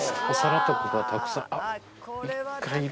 お皿とかがたくさん。